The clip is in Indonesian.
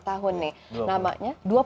tahun nih dua puluh namanya